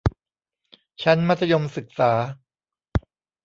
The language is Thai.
ชั้นมัธยมศึกษา